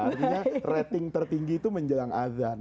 artinya rating tertinggi itu menjelang azan